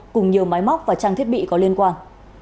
cùng nhiều máy móc và trang thiết bị có liên quan